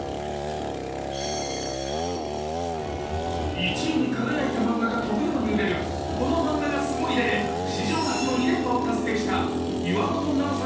１位に輝いた漫画が飛ぶように売れる「このマンガがすごい！」で史上初の２連覇を達成した岩本ナオさん